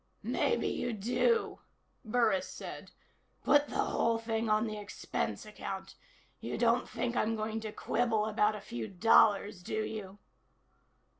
"Maybe you do," Burris said. "Put the whole thing on the expense account. You don't think I'm going to quibble about a few dollars, do you?"